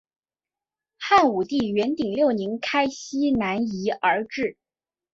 汉武帝元鼎六年开西南夷而置。